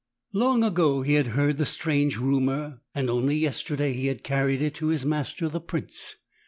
Long ago he had heard the strange rumour, and only yesterday he had carried it to his master the prince.